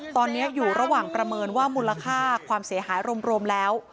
ตอนนี้อยู่ระหว่างประเมินว่ามูลค่าความเสียหายรวมแล้ว